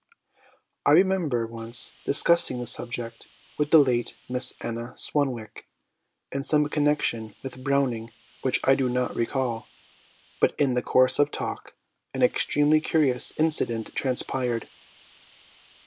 I remember once discussing this subject with the late Miss Anna Swanwick in some connection with Browning which I do not recall, but in the course of talk an extremely curious incident transpired.